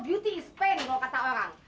beauty is pain kalau kata orang